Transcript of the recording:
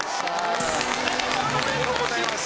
おめでとうございます！